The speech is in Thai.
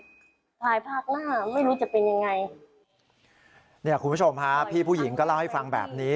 คุณผู้ชมพี่ผู้หญิงจะเล่าให้ฟังแบบนี้